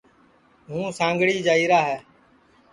ہوں سانٚگھڑ جائیری ہے